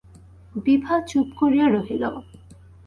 বিভা চুপ করিয়া রহিল।